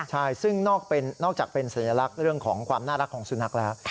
ใช่ซึ่งนอกจากเป็นสัญลักษณ์เรื่องของความน่ารักของสุนัขแล้ว